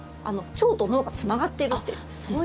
腸と脳がつながっているって。